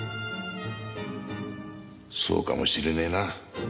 そうかもしれねえな。